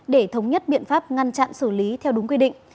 để thống nhất biện pháp ngăn chặn xử lý theo đúng quy định